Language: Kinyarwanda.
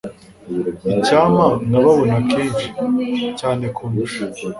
icyampa nkababona kenshi cyane kundusha